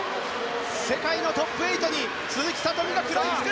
世界のトップ８に鈴木聡美が食らいつく！